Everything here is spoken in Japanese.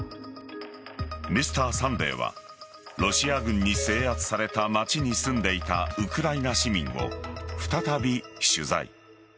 「Ｍｒ．サンデー」はロシア軍に制圧された街に住んでいたウクライナ市民を再び取材。